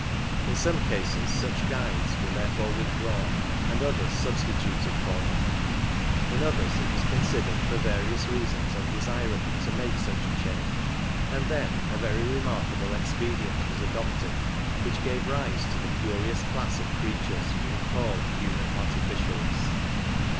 In some cases such " guides " were therefore withdrawn, and others substituted for them ; in others it was considered for various reasons undesirable to make such a change, and then a very remarkable expedi ent was adopted which gave rise to the curious class of creatures we have called " human artificials